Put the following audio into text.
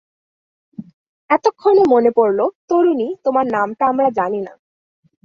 এতক্ষণে মনে পড়ল, তরুণী, তোমার নামটা আমরা জানি না।